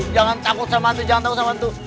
jangan takut sama hantu jangan takut sama hantu